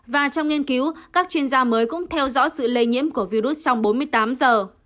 và trong nghiên cứu các chuyên gia mới cũng theo dõi sự lây nhiễm của virus trong bốn mươi tám giờ